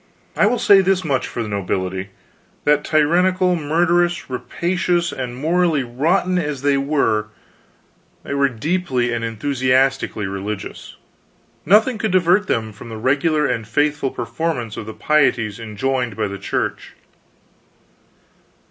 I will say this much for the nobility: that, tyrannical, murderous, rapacious, and morally rotten as they were, they were deeply and enthusiastically religious. Nothing could divert them from the regular and faithful performance of the pieties enjoined by the Church.